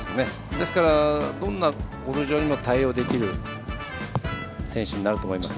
ですから、どんなゴルフ場にも対応できる選手になると思います。